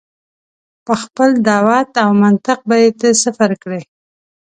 په خپل دعوت او منطق به یې ته صفر کړې.